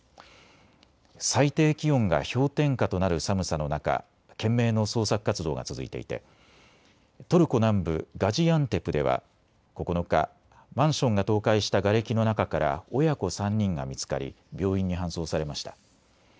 最低気温が氷点下となる寒さの中、懸命の捜索活動が続いていてトルコ南部ガジアンテプでは９日、マンションが倒壊したがれきの中から親子３人が見つかり病院に搬送されました。